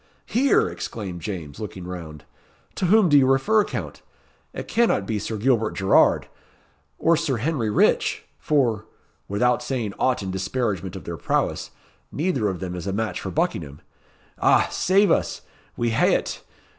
"Here!" exclaimed James, looking round. "To whom do you refer, Count? It cannot be Sir Gilbert Gerrard, or Sir Henry Rich; for without saying aught in disparagement of their prowess neither of them is a match for Buckingham! Ah! save us! We hae it.